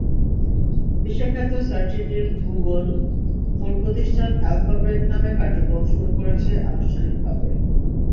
বিশ্বখ্যাত search engine Google মূল প্রতিষ্ঠান অ্যালফাবেট নামে কার্যক্রম শুরু করেছে আনুষ্ঠানিকভাবে।